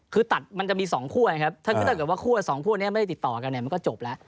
คือมันจะมีสองคั่วถ้าคือสองคั่วงี้ไม่ได้ติดต่อกันมันก็จบแล้ว